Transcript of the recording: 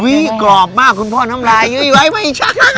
กรอบมากคุณพ่อน้ำลายยุ้ยไว้ไม่ใช่